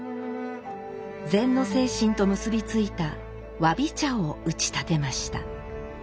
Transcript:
禅の精神と結び付いた「侘び茶」を打ち立てました。